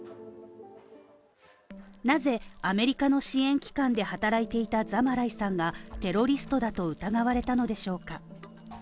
なぜアメリカの支援機関で働いていたザマライさんがテロリストだと疑われたのでしょうか？